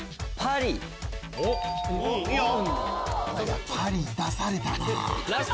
パリ出されたな。